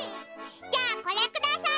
じゃあこれください。